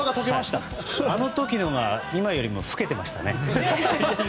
あの時のほうが今よりも老けてましたね。